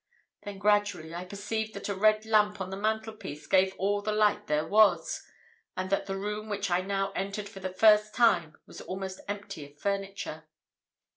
Then, gradually, I perceived that a red lamp on the mantelpiece gave all the light there was, and that the room which I now entered for the first time was almost empty of furniture.